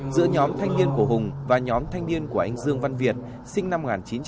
giữa nhóm thanh niên của hùng và nhóm thanh niên của anh dương văn việt sinh năm một nghìn chín trăm tám mươi